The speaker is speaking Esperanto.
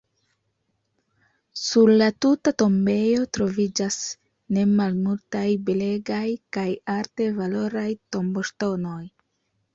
Sur la tuta tombejo troviĝas ne malmultaj belegaj kaj arte valoraj tomboŝtonoj.